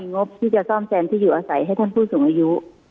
งบที่จะซ่อมแซมที่อยู่อาศัยให้ท่านผู้สูงอายุ